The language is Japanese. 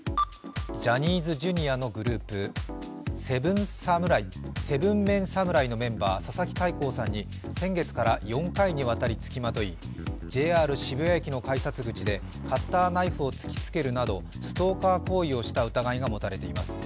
ジャニーズＪｒ．のグループ、７ＭＥＮ侍のメンバー、佐々木大光さんに先月から４回にわたり、つきまといＪＲ渋谷駅の改札口でカッターナイフを突きつけるなどストーカー行為をした疑いが持たれています。